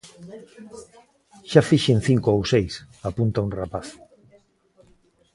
Xa fixen cinco ou seis, apunta un rapaz.